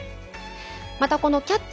また、この「キャッチ！